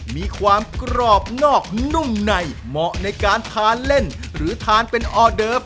มีความกรอบนอกนุ่มในเหมาะในการทานเล่นหรือทานเป็นออเดิฟ